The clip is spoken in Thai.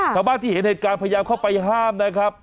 ชาวบ้านที่เห็นเหตุการณ์พยายามเข้าไปห้ามนะครับ